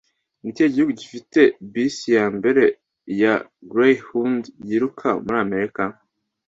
Ni ikihe gihugu gifite bisi ya mbere ya greyhound yiruka muri Amerika